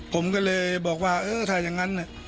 ผมก็เลยบอกว่าเออถ้าอย่างนั้น